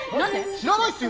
知らないっすよ